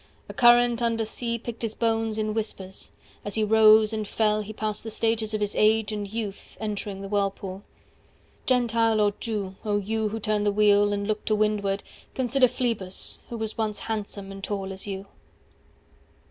A current under sea 315 Picked his bones in whispers. As he rose and fell He passed the stages of his age and youth Entering the whirlpool. Gentile or Jew O you who turn the wheel and look to windward, 320 Consider Phlebas, who was once handsome and tall as you.